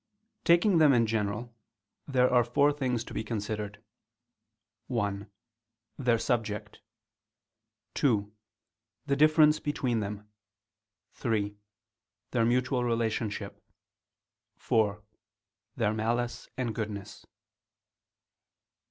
Taking them in general, there are four things to be considered: (1) Their subject: (2) The difference between them: (3) Their mutual relationship: (4) Their malice and goodness.